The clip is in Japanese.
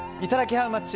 ハウマッチ。